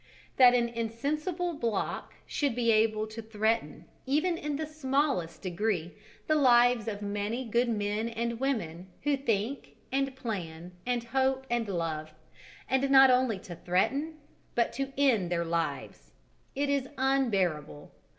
That an insensible block should be able to threaten, even in the smallest degree, the lives of many good men and women who think and plan and hope and love and not only to threaten, but to end their lives. It is unbearable!